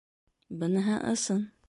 Быныһы ысын.